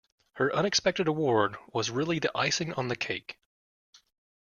Her unexpected award was really the icing on the cake